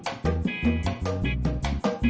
selamat yang tak ada masalah